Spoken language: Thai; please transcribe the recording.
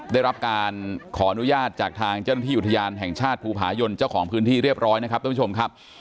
ได้รับการขออนุญาตจากทางเจ้าหน้าที่อุทยานแห่งชาติภูผายนเจ้าของพื้นที่เรียบร้อยนะครับท่านผู้ชมครับ